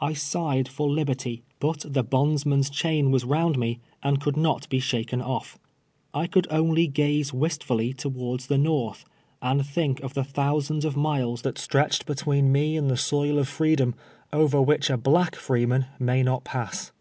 I sighed for liberty ; but the bondman's 126 TWELTK YEAIiS A SLAVE. chain was round nie, and could not be shaken oflf. I coiihl only f^aze wistl'iilly towards the North, and tliink of the thousands of miles that stretched between nie and the soil of freedom, ov^er "vvhich a Uach free man mav not pass.